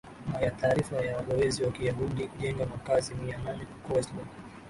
a ya taarifa ya walowezi wakiyahundi kujenga makazi mia nane huko west bank